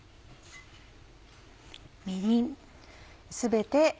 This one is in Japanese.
みりん。